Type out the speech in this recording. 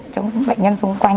cho bệnh nhân xung quanh